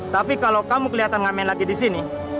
tapi kalau kamu kelihatan ngamen lagi di sini